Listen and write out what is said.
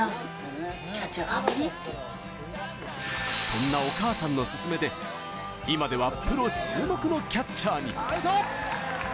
そんなお母さんの勧めで今ではプロ注目のキャッチャーに。